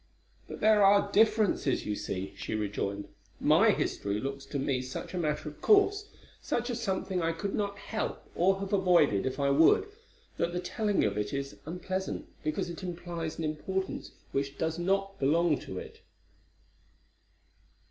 "But there are differences, you see," she rejoined. "My history looks to me such a matter of course, such a something I could not help, or have avoided if I would, that the telling of it is unpleasant, because it implies an importance which does not belong to it."